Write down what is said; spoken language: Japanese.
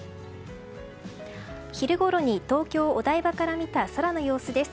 昼ごろに東京・お台場から見た空の様子です。